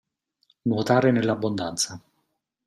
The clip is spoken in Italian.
Nuotare nell'abbondanza.